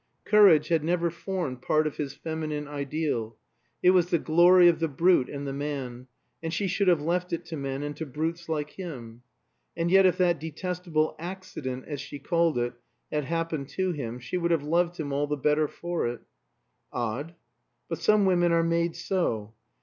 Courage had never formed part of his feminine ideal; it was the glory of the brute and the man, and she should have left it to men and to brutes like him. And yet if that detestable "accident," as she called it, had happened to him, she would have loved him all the better for it. Odd. But some women are made so.